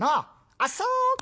あっそうか。